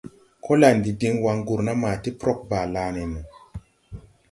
Kolandi din wan gurna ma ti prog Balané no.